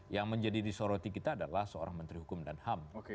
yang menjadi disoroti kita adalah seorang menteri hukum dan ham